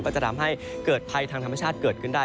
จะทำให้เกิดภัยทางธรรมชาติเกิดขึ้นได้